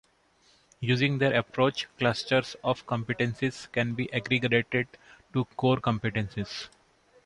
Using their approach, clusters of competencies can be aggregated to core competencies.